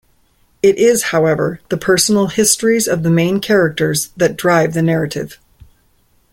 It is, however, the personal histories of the main characters that drive the narrative.